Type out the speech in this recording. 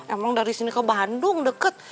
emang dari sini ke bandung deket